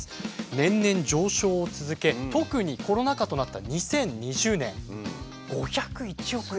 年々上昇を続け特にコロナ禍となった２０２０年５０１億円。